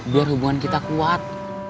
biar hubungan kita kuat